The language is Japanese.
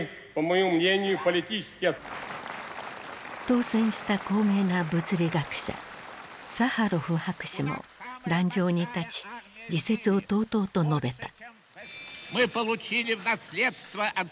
当選した高名な物理学者サハロフ博士も壇上に立ち自説をとうとうと述べた。